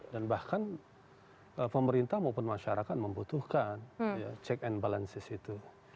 dan bahkan pemerintah maupun masyarakat membutuhkan check and balances itu